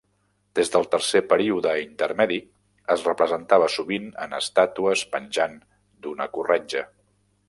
Des del Tercer Període Intermedi, es representava sovint en estàtues penjant d'una corretja.